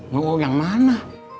mau yang mana